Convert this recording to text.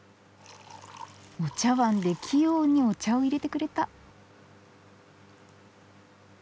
お茶わんで器用にお茶をいれてくれた。